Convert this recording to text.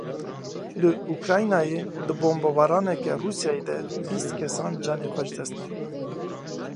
Li Ukraynayê di bombebaraneke Rûsyayê de bîst kesan canê xwe ji dest dan.